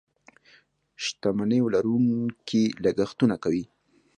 شتمنيو لرونکي لګښتونه کوي.